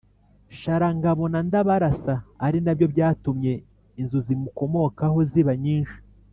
Sharangabo na Ndabarasa ari nabyo byatumye inzu zimukomokaho ziba nyinshi.